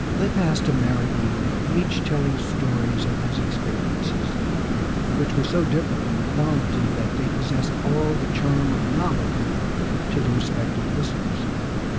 They passed a merry evening, each telling stories of his experiences, which were so different in quality that they possessed all the charm of novelty to the respective listeners.